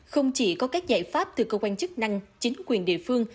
không chỉ có các giải pháp từ cơ quan chức năng chính quyền địa phương